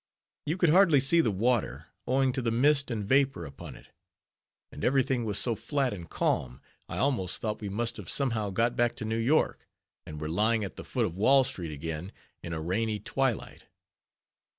You could hardly see the water, owing to the mist and vapor upon it; and every thing was so flat and calm, I almost thought we must have somehow got back to New York, and were lying at the foot of Wall street again in a rainy twilight.